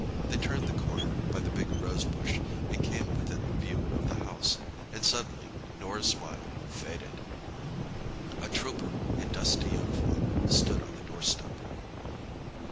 They turned the corner by the big rose bush, and came within view of the house, and suddenly Norah's smile faded. A trooper in dusty uniform stood on the doorstep.